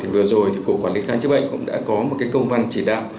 vừa rồi thì cục quản lý khám chữa bệnh cũng đã có một cái công văn chỉ đạo